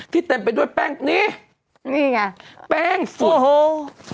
เต็มไปด้วยแป้งนี่นี่ไงแป้งฝุ่นโอ้โห